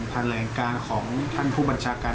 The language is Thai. แถลงการของท่านผู้บัญชาการ